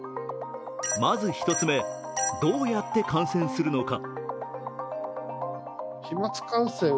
まず１つ目、どうやって感染するのか。